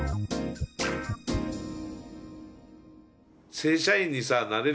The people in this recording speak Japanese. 正社員にさなれる